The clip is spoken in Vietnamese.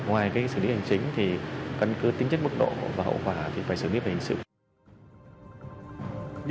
ngoài cái xử lý hành chính thì căn cứ tính chất mức độ và hậu quả thì phải xử lý về hình sự